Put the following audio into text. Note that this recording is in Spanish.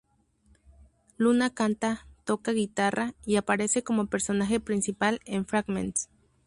Luna canta, toca guitarra, y aparece como personaje principal en "Fragments".